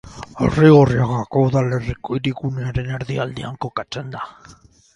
Arrigorriaga udalerriko hirigunearen erdialdean kokatzen da.